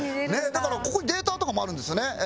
だからここにデータとかもあるんですよね。